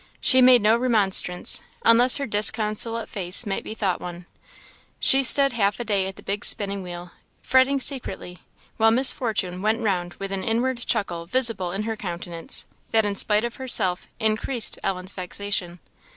She made no remonstrance, unless her disconsolate face might be thought one; she stood half a day at the big spinning wheel, fretting secretly, while Miss Fortune went round with an inward chuckle visible in her countenance, that in spite of herself increased Ellen's vexation.